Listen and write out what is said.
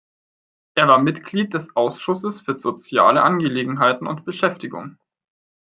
Er war Mitglied des Ausschusses für soziale Angelegenheiten und Beschäftigung.